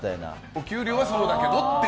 お給料はそうだけどと。